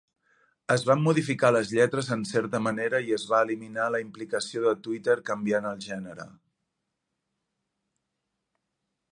Es van modificar les lletres en certa manera i es va eliminar la implicació de Tweeter canviant el gènere.